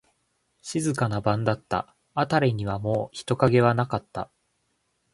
静かな晩だった。あたりにはもう人影はなかった。